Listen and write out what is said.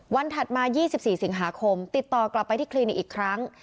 วันถัดมายี่สิบสี่สิงหาคมติดต่อกลับไปที่คลินิกอีกครั้ง